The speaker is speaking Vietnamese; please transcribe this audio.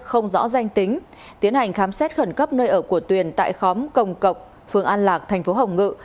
không rõ danh tính tiến hành khám xét khẩn cấp nơi ở của tuyền tại khóm công cộc phường an lạc tp hồng ngự